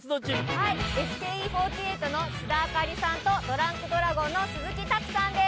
はいＳＫＥ４８の須田亜香里さんとドランクドラゴンの鈴木拓さんです。